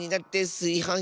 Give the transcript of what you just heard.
すいはん